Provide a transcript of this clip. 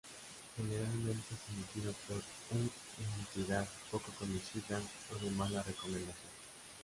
Generalmente, es emitido por un entidad poco conocida o de mala recomendación.